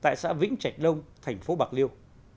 tại xã vĩnh trạch đông thành phố bạc liêu